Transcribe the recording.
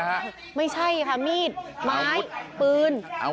ก็ไม่ใช่มีชื่อนะคะ